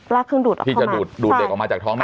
เครื่องดูดออกมาพี่จะดูดเด็กออกมาจากท้องได้